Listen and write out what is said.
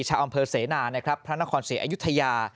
ชาวอำเภอเสนาพระนครเสียอยุธยา